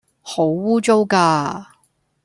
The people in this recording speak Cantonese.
好污糟㗎